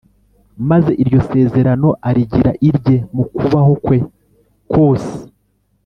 , maze iryo sezerano arigira irye mu kubaho kwe kose